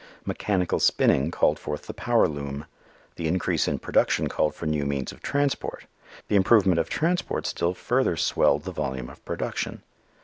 Mechanical spinning called forth the power loom. The increase in production called for new means of transport. The improvement of transport still further swelled the volume of production.